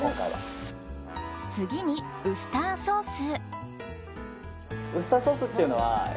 次にウスターソース。